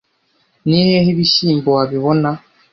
ni hehe ibishyimbo wabibona